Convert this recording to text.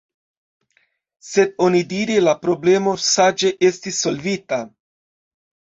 Sed onidire la problemo saĝe estis solvita.